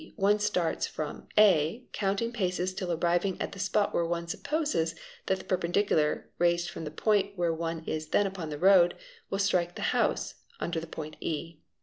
one starts from a counting the paces till arriving at the spot where one supposes that the _ perpendicular, raised from the point where one is then upon the road, will strike the house (under the point ¢).